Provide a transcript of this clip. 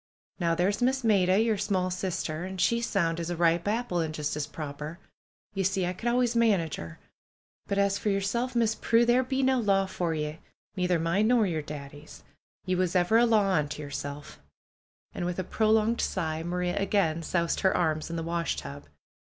Now there's Miss Maida, yer small sister, an' she's sound as a ripe apple, an' just as proper. You see, I could always manage 'er. But as for yerself. Miss Prue, there be no law for ye; neither mine nor yer Daddy's. Ye was ever a law unto yerself," and with a prolonged sigh, Maria again soused her arms in the washtub.